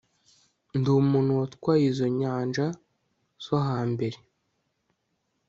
ndi umuntu watwaye izo nyanja zo hambere